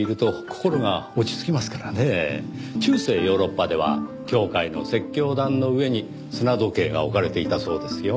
中世ヨーロッパでは教会の説教壇の上に砂時計が置かれていたそうですよ。